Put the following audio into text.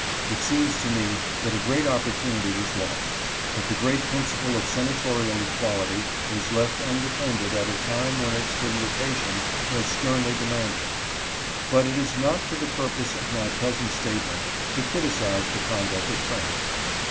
It seems to me that a great opportunity was lost, that the great principle of senatorial equality was left undefended at a time when its vindication was sternly demanded. But it is not to the purpose of my present statement to criticize the conduct of friends.